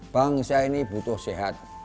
bangsa ini butuh sehat